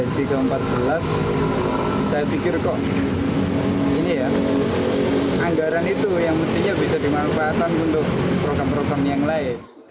saya pikir kok anggaran itu yang mestinya bisa dimanfaatkan untuk program program yang lain